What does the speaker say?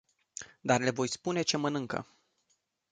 Dar le voi spune ce mănâncă.